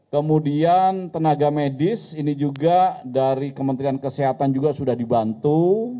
kemudian tenaga medis ini juga dari kementerian kesehatan juga sudah dibantu